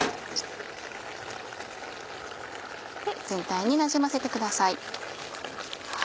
全体になじませてください。